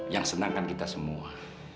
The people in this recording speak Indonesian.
yang senangkan kita semua